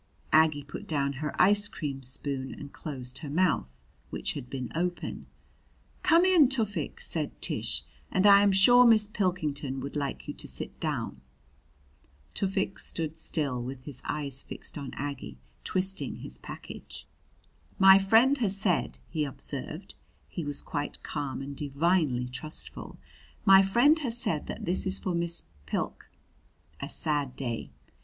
Aggie put down her ice cream spoon and closed her mouth, which had been open. "Come in, Tufik," said Tish; "and I am sure Miss Pilkington would like you to sit down." Tufik still stood with his eyes fixed on Aggie, twisting his package. "My friend has said," he observed he was quite calm and divinely trustful "My friend has said that this is for Miss Pilk a sad day.